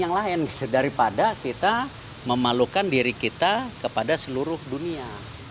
kita harus bidding yang lain daripada kita memalukan diri kita kepada seluruh dunia